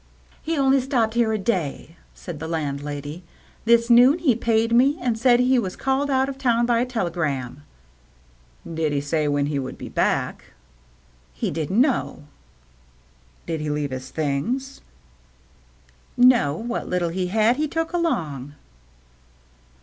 " He only stopped here a day," said the landlady. " This noon he paid me and said he was called out of town by a telegram." " Did he say when he would be back ?"" He didn't know." " Did he leave his things ?"" No. What little he had he took along."